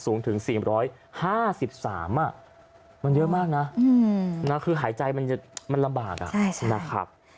สูงถึง๔๕๓มันเยอะมากนะคือหายใจมันลำบากนะครับ